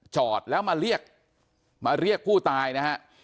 จอดแล้วมาเรียกผู้ตายนะฮะ